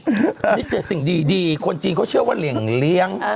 นี่แต่สิ่งดีคนจีนเขาเชื่อว่าเหลี่ยงเลี้ยง